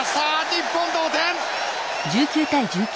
日本同点！